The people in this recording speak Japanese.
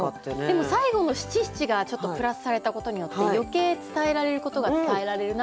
でも最後の七七がちょっとプラスされたことによって余計伝えられることが伝えられるなっていう。